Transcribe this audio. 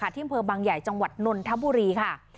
ที่เมืองบังใหญ่จังหวัดนนทบุรีค่ะ